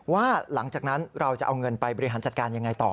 ว่าหลังจากนั้นเราจะเอาเงินไปบริหารจัดการยังไงต่อ